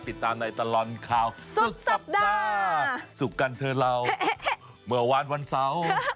ติดตามในตลอดข่าวสุดสัปดาห์ศุกร์กันเถอะเราเมื่อวานวันเสาร์